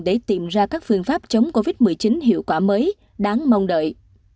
để tìm ra các phương pháp chống covid một mươi chín hiệu quả mới đáng mong đợi